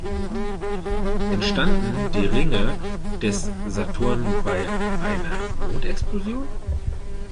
Entstanden die Ringe des Saturn bei einer Mondexplosion?